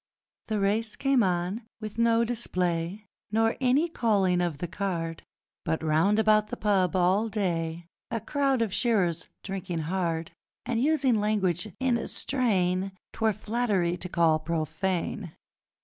..... The race came on with no display, Nor any calling of the card, But round about the pub all day A crowd of shearers, drinking hard, And using language in a strain 'Twere flattery to call profane.